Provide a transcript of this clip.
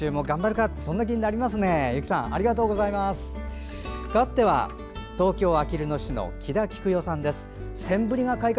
かわっては東京都あきる野市の木田喜久代さん。